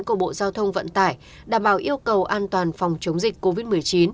của bộ giao thông vận tải đảm bảo yêu cầu an toàn phòng chống dịch covid một mươi chín